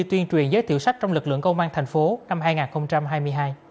tuyên truyền giới thiệu sách trong lực lượng công an thành phố năm hai nghìn hai mươi hai